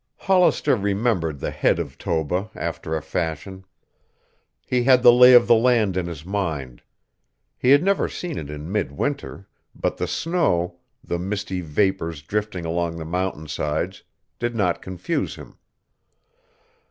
Hollister remembered the head of Toba after a fashion. He had the lay of the land in his mind. He had never seen it in midwinter, but the snow, the misty vapors drifting along the mountain sides, did not confuse him.